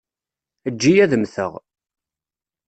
Eǧǧ-iyi ad mmteɣ.